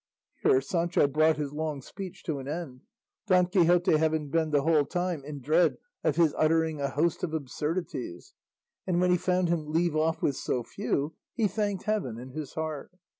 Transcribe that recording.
Here Sancho brought his long speech to an end, Don Quixote having been the whole time in dread of his uttering a host of absurdities; and when he found him leave off with so few, he thanked heaven in his heart.